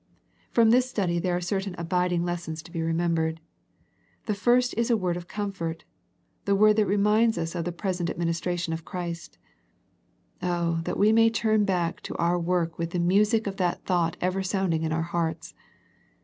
From this study there are certain abiding lessons to be remembered. The first is a word of comfort, the word that reminds us of the 178 A First Century Message present administration of Christ. Oh, that we may turn back to our work with the music of that thought ever sounding in our hearts.